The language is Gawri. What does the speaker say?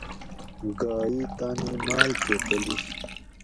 گھا ای تانی ماۤل کہ تلی